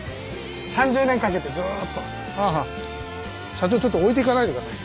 社長ちょっと置いていかないで下さい。